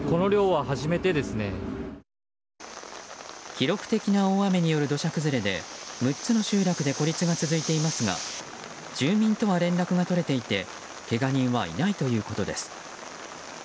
記録的な大雨による土砂崩れで６つの集落で孤立が続いていますが住民とは連絡が取れていてけが人はいないということです。